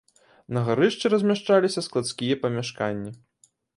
На гарышчы размяшчаліся складскія памяшканні.